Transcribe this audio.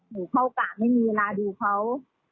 หนูเข้ากากไม่มีเวลาดูเขา